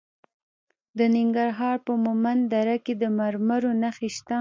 د ننګرهار په مومند دره کې د مرمرو نښې شته.